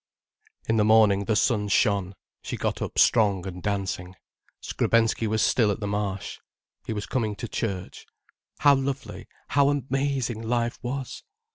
In the morning the sun shone, she got up strong and dancing. Skrebensky was still at the Marsh. He was coming to church. How lovely, how amazing life was!